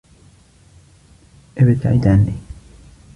ابتعد عني.